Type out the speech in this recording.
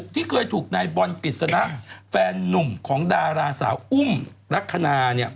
ที่เคยถูกในบอนกิจสนะแฟนนุ่งของดาราสาวอุ้มรักคณา